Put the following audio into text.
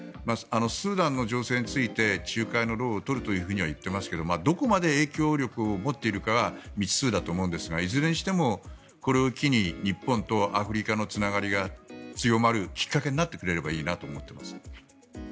スーダンの情勢について仲介の労を取るとは言っていますがどこまで影響力を持っているかが未知数だと思うんですがいずれにしてもこれを機に日本とアフリカのつながりが強まるきっかけになってくれればいいなと思っています。